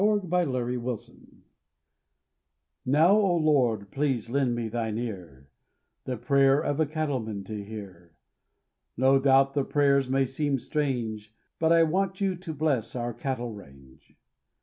THE COWMAN'S PRAYER Now, O Lord, please lend me thine ear, The prayer of a cattleman to hear, No doubt the prayers may seem strange, But I want you to bless our cattle range.